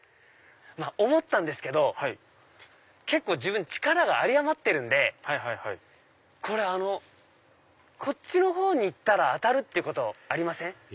思ったんですけど結構自分力が有り余ってるんでこっちのほうに行ったら当たるってことありません？